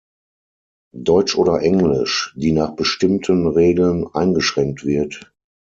Deutsch oder Englisch, die nach bestimmten Regeln eingeschränkt wird.